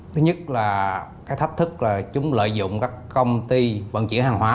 thứ nhất là cái thách thức là chúng lợi dụng các công ty vận chuyển hàng hóa